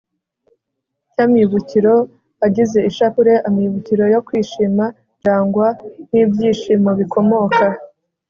cy'amibukiro agize ishapule (amibukiro yo kwishima), kirangwa n'ibyishimo bikomoka